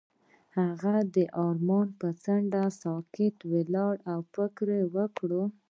هغه د آرمان پر څنډه ساکت ولاړ او فکر وکړ.